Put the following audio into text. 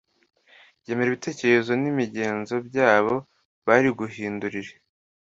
yemera ibitekerezo n’imigenzo byabo bari bagundiriye